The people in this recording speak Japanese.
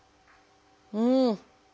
うん！